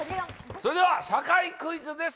それでは社会クイズです。